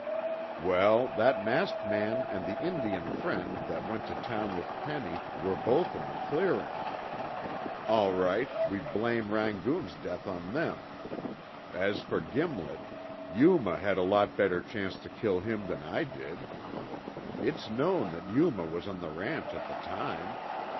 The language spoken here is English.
Well, that masked man and the Indian friend that went to town with Penny were both in the clearing. All right, we blame Rangoon's death on them. As for Gimlet, Yuma had a lot better chance to kill him than I did. It's known that Yuma was on the ranch at the time.